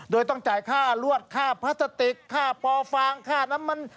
โดยต้องจ่ายค่ารวดค่าพลาสติกค่าปอฟฟางค่าน้ำมัน